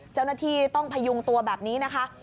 เจ้าหน้าที่ต้องพยุงตัวแบบนี้นะคะ